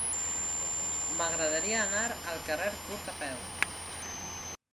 M'agradaria anar al carrer Curt a peu.